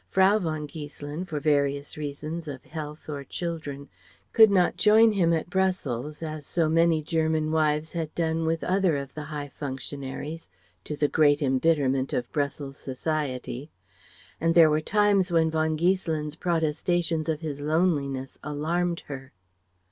Frau von Giesselin, for various reasons of health or children, could not join him at Brussels as so many German wives had done with other of the high functionaries (to the great embitterment of Brussels society); and there were times when von Giesselin's protestations of his loneliness alarmed her.